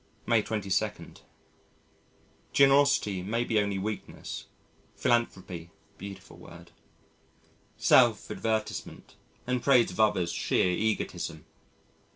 May 22. Generosity may be only weakness, philanthropy (beautiful word), self advertisement, and praise of others sheer egotism.